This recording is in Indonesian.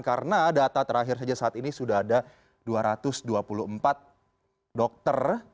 karena data terakhir saja saat ini sudah ada dua ratus dua puluh empat dokter